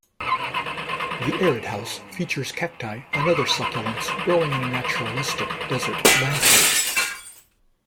The Arid House features cacti and other succulents growing in a naturalistic desert landscape.